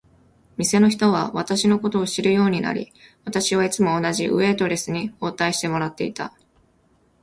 店の人は私のことを知るようになり、私はいつも同じウェイトレスに応対してもらっていた。